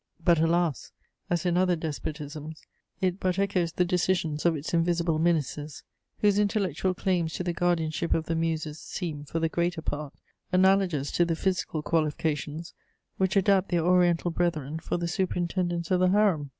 But, alas! as in other despotisms, it but echoes the decisions of its invisible ministers, whose intellectual claims to the guardianship of the Muses seem, for the greater part, analogous to the physical qualifications which adapt their oriental brethren for the superintendence of the Harem.